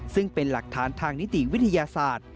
ซึ่งเป็นหลักฐานทางนิติวิทยาศาสตร์